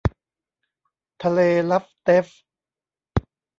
ทะเลลัปเตฟ